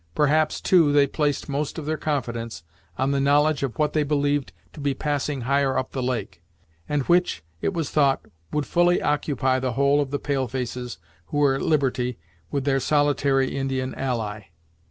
Perhaps, too, they placed most of their confidence on the knowledge of what they believed to be passing higher up the lake, and which, it was thought, would fully occupy the whole of the pale faces who were at liberty, with their solitary Indian ally.